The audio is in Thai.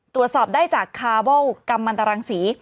ตรวจสอบได้จากคาร์โบลกรรมมันตรังสี